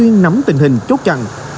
nắm tình hình chốt chặn